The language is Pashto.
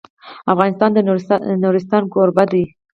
افغانستان د نورستان کوربه دی.